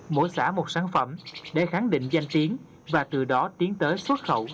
mỗi xã một sản phẩm để khẳng định danh chiến và từ đó tiến tới xuất khẩu